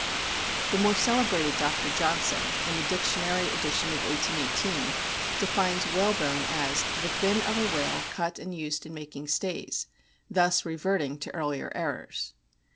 The more celebrated Dr. Johnson, in the Dictionary (edition of 1818), defines whalebone as "the fin of a whale cut and used in making stays," thus reverting to earlier errors.